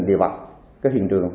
địa vật cái hiện trường